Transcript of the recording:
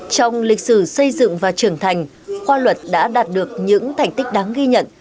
trong lịch sử xây dựng và trưởng thành khoa luật đã đạt được những thành tích đáng ghi nhận